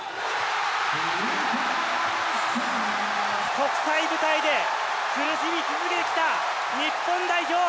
国際舞台で苦しみ続けてきた日本代表。